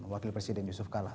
wakil presiden yusuf kalla